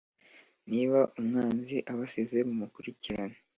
niba umwanzi abasize mumukurikirane